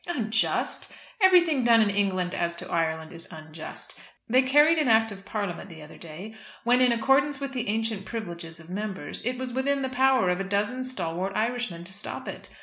"Unjust! Everything done in England as to Ireland is unjust. They carried an Act of Parliament the other day, when in accordance with the ancient privileges of members it was within the power of a dozen stalwart Irishmen to stop it.